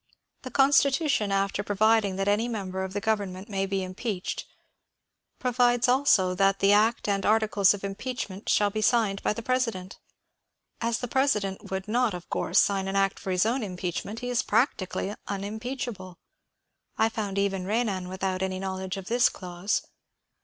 The Constitution, after providing that any member of the govern ment may be impeached, provides also that the act and arti cles of impeachment shall be signed by the President. As the President would not of course sign an act for his own impeachment, he is practically unimpeachable. I found even Renan without any knowledge of this clause.